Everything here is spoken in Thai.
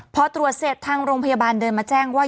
พอตรวจเสร็จทางโรงพยาบาลเดินมาแจ้งว่า